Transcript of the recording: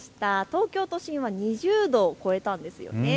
東京都心は２０度を超えたんですよね。